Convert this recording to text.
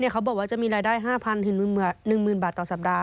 เขาบอกว่าจะมีรายได้๕๐๐๑๐๐๐บาทต่อสัปดาห